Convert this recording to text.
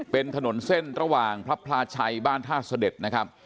เป็นถนนเส้นระหว่างพระพลาชัยบ้านท่าเสด็จนะครับ